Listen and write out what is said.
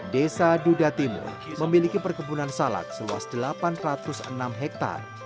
desa duda timur memiliki perkebunan salak seluas delapan ratus enam hektare